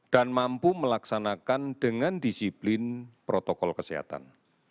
dan mampu melaksanakan dengan disiplin protokol kesehatan